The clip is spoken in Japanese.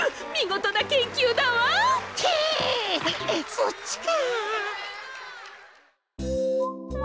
そっちか。